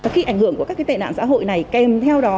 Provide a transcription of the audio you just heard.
khi ảnh hưởng của các tệ nạn xã hội này kèm theo đó